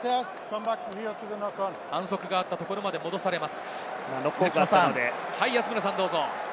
反則があったところまで戻されます。